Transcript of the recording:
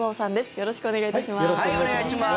よろしくお願いします。